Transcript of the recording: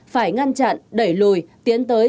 phải ngăn chặn đẩy lùi tiến tới